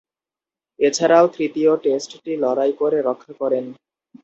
এছাড়াও তৃতীয় টেস্টটি লড়াই করে রক্ষা করেন।